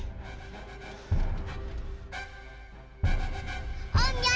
om jangan pergi om